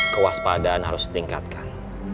kewaspadaan harus ditingkatkan